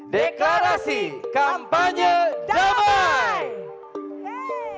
deklarasi kampanye damai